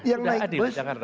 yang naik bus